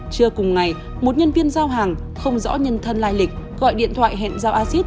trưa cùng ngày một nhân viên giao hàng không rõ nhân thân lai lịch gọi điện thoại hẹn giao acid